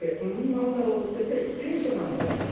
なんだろうっていって、聖書なんだよと。